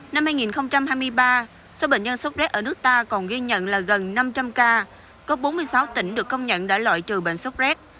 năm hai nghìn hai mươi ba số bệnh nhân số z ở nước ta còn ghi nhận là gần năm trăm linh ca có bốn mươi sáu tỉnh được công nhận đã loại trừ bệnh số z